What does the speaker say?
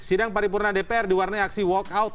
sidang paripurna dpr diwarnai aksi walk out